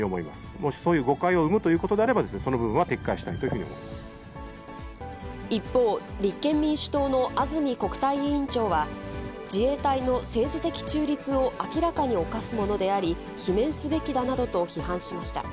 もしそういう誤解を生むということであれば、その部分は撤回した一方、立憲民主党の安住国対委員長は、自衛隊の政治的中立を明らかに侵すものであり、罷免すべきだなどと批判しました。